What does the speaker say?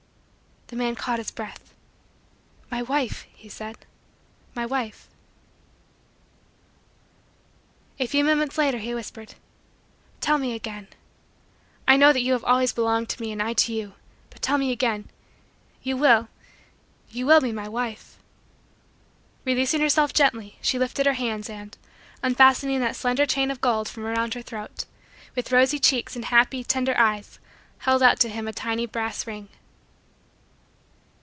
The man caught his breath. "My wife," he said. "My wife," A few moments later he whispered: "Tell me again I know that you have always belonged to me and I to you but tell me again you will you will be my wife?" Releasing herself gently, she lifted her hands and, unfastening that slender chain of gold from around her throat, with rosy cheeks and happy, tender, eyes, held out to him a tiny brass ring.